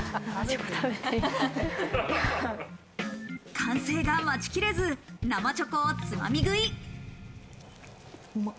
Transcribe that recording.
完成が待ちきれず、生チョコをつまみ食い。